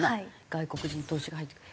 外国人投資家が入ってくる。